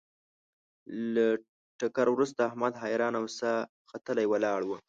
له ټکر ورسته احمد حیران او ساه ختلی ولاړ و.